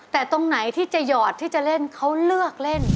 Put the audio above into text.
แต่ตรงไหนที่จะหยอดที่จะเล่นเขาเลือกเล่น